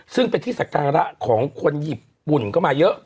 ซึ่งเป็นที่สักการะของคนญี่ปุ่นก็มาเยอะ